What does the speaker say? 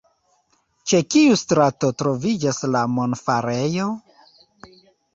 Ĉe kiu strato troviĝas la monfarejo?